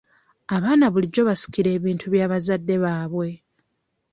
Abaana bulijjo basikira ebintu by'abazadde baabwe.